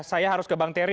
saya harus ke bang terry